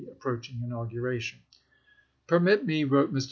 approaching inauguration. Permit me," wrote ms. Mr.